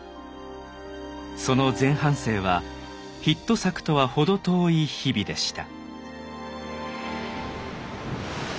その前半生はヒット作とは程遠い日々でした。